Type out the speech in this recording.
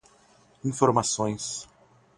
informações